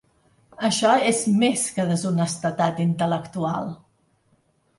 Això és més que deshonestedat intel·lectual.